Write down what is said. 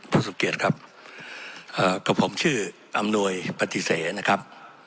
เพื่อนสมเกียจครับอ่าก็ผมชื่ออำนวยปฏิเสธนะครับ